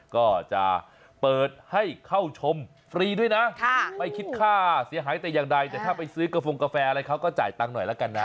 ก็จะเปิดให้เข้าชมฟรีด้วยนะไม่คิดค่าเสียหายแต่อย่างใดแต่ถ้าไปซื้อกระโฟงกาแฟอะไรเขาก็จ่ายตังค์หน่อยแล้วกันนะ